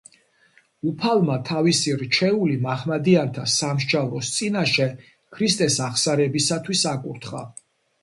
უფალმა თავისი რჩეული მაჰმადიანთა სამსჯავროს წინაშე ქრისტეს აღსარებისათვის აკურთხა.